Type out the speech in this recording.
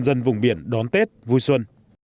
nhân dân vùng biển đón tết vui xuân